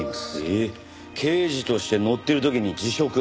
えっ刑事としてノッてる時に辞職。